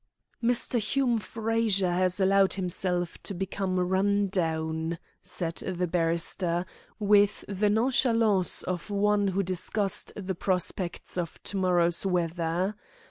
"Mr. Hume Frazer has allowed himself to become run down," said the barrister, with the nonchalance of one who discussed the prospects of to morrow's weather.